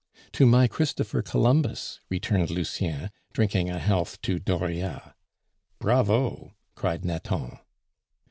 "To my Christopher Columbus!" returned Lucien, drinking a health to Dauriat. "Bravo!" cried Nathan.